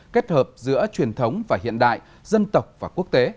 kết hợp giữa truyền thống và hiện đại dân tộc và quốc tế